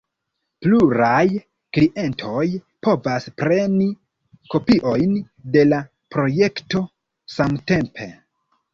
Pluraj klientoj povas preni kopiojn de la projekto samtempe.